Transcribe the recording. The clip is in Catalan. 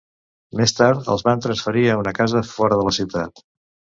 Més tard els van transferir a una casa fora de la ciutat.